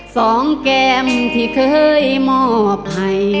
สองเกมที่เคยมอบให้